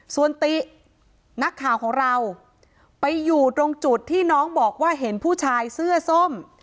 ส่วนตินักข่าวของเราไปอยู่ตรงจุดที่น้องบอกว่าเห็นผู้ชายเสื้อส้ม